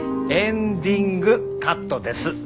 エンディングカットです。